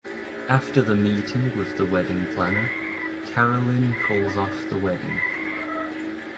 After the meeting with the wedding planner, Caroline calls off the wedding.